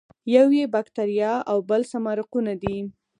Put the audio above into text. یو یې باکتریا او بل سمارقونه دي.